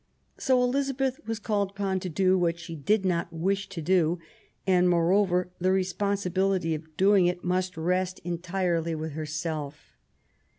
So Elizabeth was called upon to do what she did not wish to do ; and, moreover, the responsibility of doing it must rest entirely with herself.